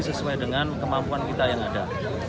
sesuai dengan kemampuan kita yang ada